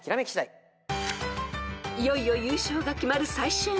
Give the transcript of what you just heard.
［いよいよ優勝が決まる最終問題］